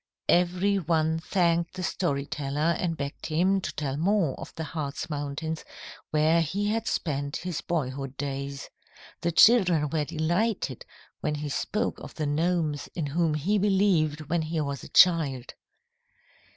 Every one thanked the story teller, and begged him to tell more of the Hartz Mountains, where he had spent his boyhood days. The children were delighted when he spoke of the gnomes, in whom he believed when he was a child.